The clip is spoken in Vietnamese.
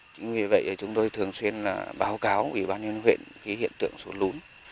chính vì vậy chúng tôi thường xuyên báo cáo ủy ban nhân huyện cái hiện tượng sụt lún